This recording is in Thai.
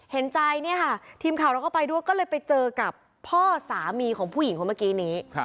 เห็นใจเนี่ยค่ะทีมข่าวเราก็ไปด้วยก็เลยไปเจอกับพ่อสามีของผู้หญิงคนเมื่อกี้นี้